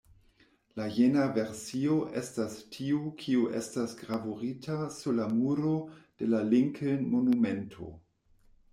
La jena versio estas tiu kiu estas gravurita sur la muro de la Lincoln-monumento.